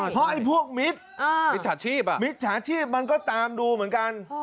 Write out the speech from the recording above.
เพราะไอ้พวกมิตรมิตรชาชีพมันก็ตามดูเหมือนกัน